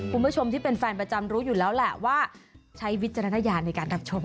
คุณผู้ชมที่เป็นแฟนประจำรู้อยู่แล้วแหละว่าใช้วิจารณญาณในการรับชม